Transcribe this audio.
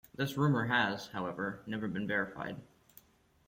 This rumour has, however, never been verified.